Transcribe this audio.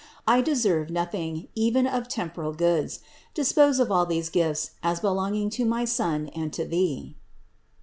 I deserve nothing, even of temporal goods ; dispose of all these gifts as belonging to my Son and to thee."